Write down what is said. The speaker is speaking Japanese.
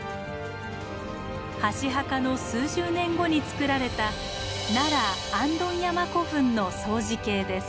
箸墓の数十年後につくられた奈良・行燈山古墳の相似形です。